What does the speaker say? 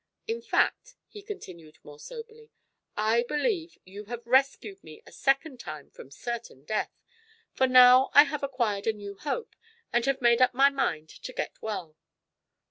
In fact," he continued more soberly, "I believe you have rescued me a second time from certain death, for now I have acquired a new hope and have made up my mind to get well."